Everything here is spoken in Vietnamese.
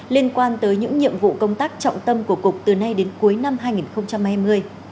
liên quan tới những nhiệm vụ công tác trọng tâm của cục từ nay đến cuối năm hai nghìn hai mươi